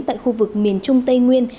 tại khu vực miền trung tây nguyên